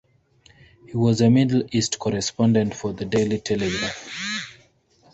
He was a Middle East correspondent for the Daily Telegraph.